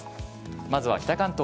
まずは北関東。